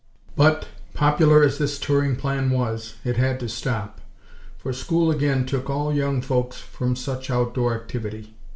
But, popular as this touring plan was, it had to stop; for school again took all young folks from such out door activity.